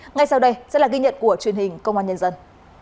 ngay sau đây sẽ là ghi nhận của truyền hình công an nhân dân